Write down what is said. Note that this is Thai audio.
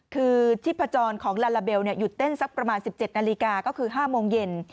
คือที่พจรของลาลาเบลหยุดเต้นสักประมาณ๑๗นาฬิกาก็คือ๕โมงเย็น